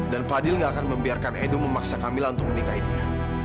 dan fadil nggak akan membiarkan edo memaksa kamila untuk menikahi dia